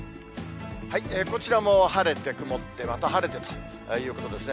こちらも晴れて、曇って、また晴れてということですね。